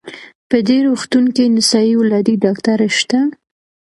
په دې روغتون کې نسایي ولادي ډاکټره شته؟